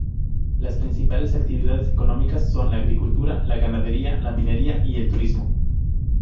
Las principales actividades económicas son la agricultura, la ganadería, la minería y el turismo.